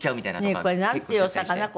ねえこれなんていうお魚？